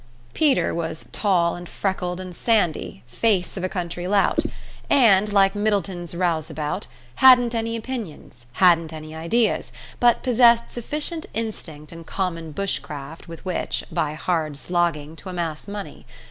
Peter was "tall and freckled and sandy, face of a country lout", and, like Middleton's rouse about, "hadn't any opinions, hadn't any ideas", but possessed sufficient instinct and common bushcraft with which, by hard slogging, to amass money.